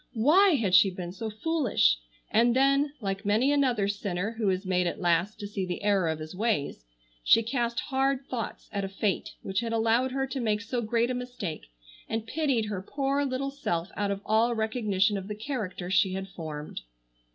Why had she been so foolish! And then, like many another sinner who is made at last to see the error of his ways, she cast hard thoughts at a Fate which had allowed her to make so great a mistake, and pitied her poor little self out of all recognition of the character she had formed.